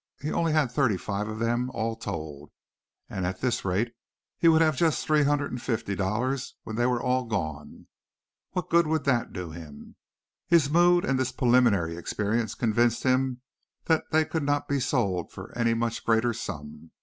He only had thirty five of them all told and at this rate he would have just three hundred and fifty dollars when they were all gone. What good would that do him? His mood and this preliminary experience convinced him that they could not be sold for any much greater sum.